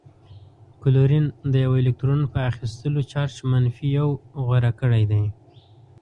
کلورین د یوه الکترون په اخیستلو چارج منفي یو غوره کړی دی.